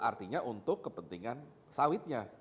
artinya untuk kepentingan sawitnya